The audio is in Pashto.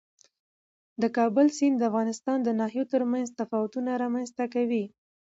د کابل سیند د افغانستان د ناحیو ترمنځ تفاوتونه رامنځته کوي.